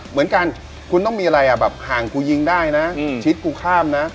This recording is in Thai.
เหมือนกันคุณต้องมีอะไรอ่ะแบบห่างกูยิงได้นะชิดกูข้ามนะ